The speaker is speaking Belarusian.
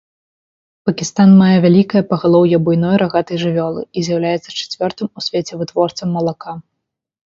Пакістан мае вялікае пагалоўе буйной рагатай жывёлы і з'яўляецца чацвёртым у свеце вытворцам малака.